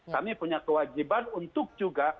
kami punya kewajiban untuk juga